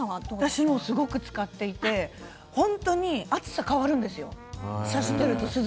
私は使っていて本当に暑さ変わるんですよ。